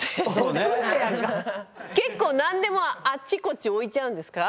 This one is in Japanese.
結構何でもあっちこっち置いちゃうんですか？